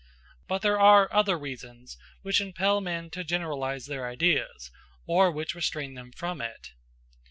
But there are other reasons which impel men to generalize their ideas, or which restrain them from it.